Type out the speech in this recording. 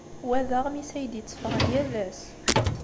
Wa d aɣmis ay d-itteffɣen yal ass.